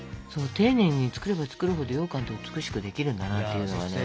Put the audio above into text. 丁寧に作れば作るほどようかんって美しくできるんだなっていうのがね。